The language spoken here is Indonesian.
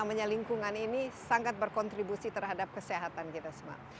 namanya lingkungan ini sangat berkontribusi terhadap kesehatan kita semua